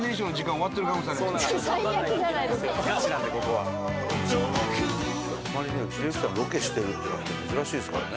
「あまりね内田有紀さんロケしてるっていうのは珍しいですからね」